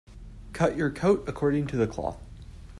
Cut your coat according to the cloth.